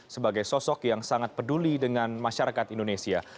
sebagai sosok yang sangat peduli dengan masyarakat indonesia